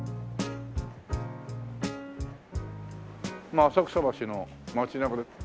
まあ浅草橋の街中で。